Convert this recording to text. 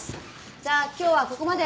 じゃあ今日はここまで。